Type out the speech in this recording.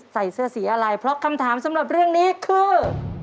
ใส่เสื้อสีอะไรเพราะคำถามสำหรับเรื่องนี้คือ